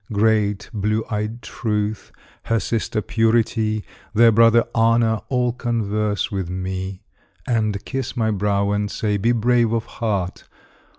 Great, blue eyed Truth, her sister Purity, Their brother Honor, all converse with me, And kiss my brow, and say, "Be brave of heart!"